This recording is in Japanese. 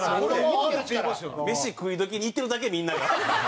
飯食い時に行ってるだけみんなが。